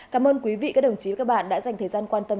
cảm ơn các bạn đã xem video này